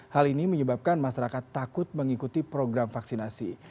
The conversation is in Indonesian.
hal ini menyebabkan masyarakat takut mengikuti program vaksinasi